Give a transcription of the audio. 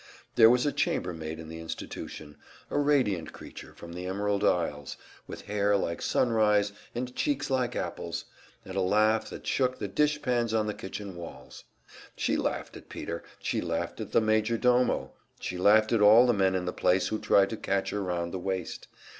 There was a chambermaid in the institution, a radiant creature from the Emerald Isles with hair like sunrise and cheeks like apples, and a laugh that shook the dish pans on the kitchen walls. She laughed at Peter, she laughed at the major domo, she laughed at all the men in the place who tried to catch her round the waist.